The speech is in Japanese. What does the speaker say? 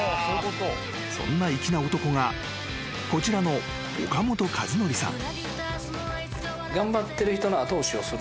［そんな粋な男がこちらの岡本和徳さん］